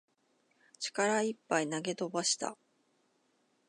力いっぱい投げ飛ばした